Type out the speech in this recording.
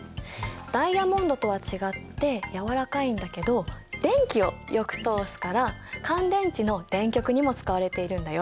ダイヤモンドとは違ってやわらかいんだけど電気をよく通すから乾電池の電極にも使われているんだよ。